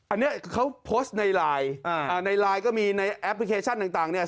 อันนี้เขาโพสต์ในไลน์อ่าในไลน์ก็มีในแอปพลิเคชันต่างเนี่ย